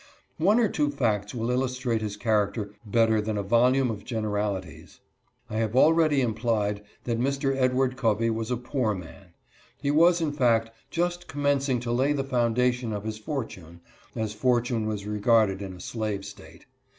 One or two facts will illustrate his character better than a volume of generalities. I have already implied that Mr. Edward Covey was a poor man. He was, in fact, just commencing to lay the foundation of his fortune, as fortune was regarded in a slave state.